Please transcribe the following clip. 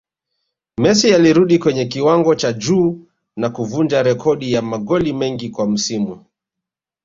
Messi alirudi kwenye kiwango cha juu na kuvunja rekodi ya magoli mengi kwa msimu